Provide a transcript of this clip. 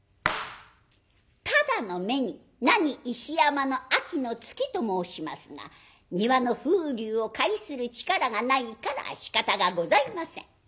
「ただの目になに石山の秋の月」と申しますが庭の風流を解する力がないからしかたがございません。